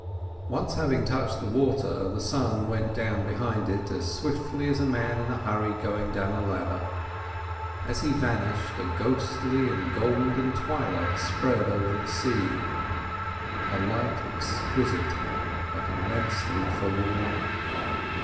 Once having touched the water, the sun went down behind it, as swiftly as a man in a hurry going down a ladder. As he vanished a ghostly and golden twilight spread over the sea, a light exquisite but immensely forlorn.